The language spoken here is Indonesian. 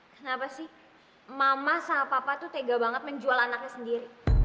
kenapa sih mama sama papa tuh tega banget menjual anaknya sendiri